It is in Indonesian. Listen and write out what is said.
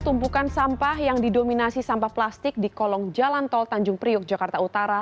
tumpukan sampah yang didominasi sampah plastik di kolong jalan tol tanjung priuk jakarta utara